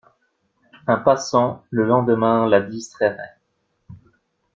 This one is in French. Un passant, le lendemain, la distrairait.